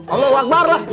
allahu akbar lah